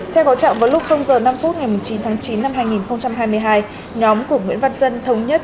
xe gói trọng vào lúc h năm ngày chín tháng chín năm hai nghìn hai mươi hai nhóm của nguyễn văn dân thống nhất